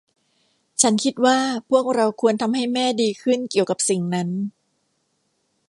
ฉันคิดว่าพวกเราควรทำให้แม่ดีขึ้นเกี่ยวกับสิ่งนั้น